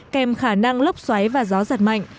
kèm khả năng lốc xoáy và gió giật mạnh